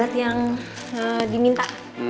ini obat yang diminta